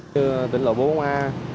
tuyến lộ bốn a